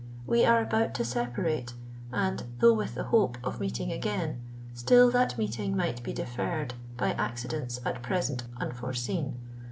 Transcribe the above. We are about to separate: and, though with the hope of meeting again, still that meeting might be deferred by accidents at present unforeseen.